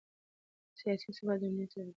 سیاسي ثبات د امنیت سبب ګرځي